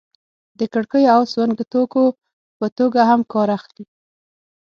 د کړکیو او سونګ توکو په توګه هم کار اخلي.